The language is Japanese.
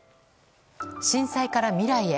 震災から未来へ。